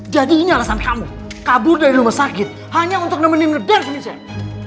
jadi ini alasan kamu kabur dari rumah sakit hanya untuk nemenin ngedansi misalnya